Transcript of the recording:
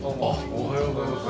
おはようございます。